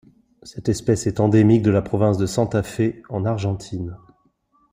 Cette espèce est endémique de la province de Santa Fe en Argentine.